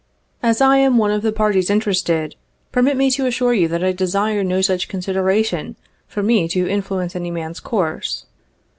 As I am one of the parties interested, permit me to assure you that I desire no such consideration for me to influence any man's course.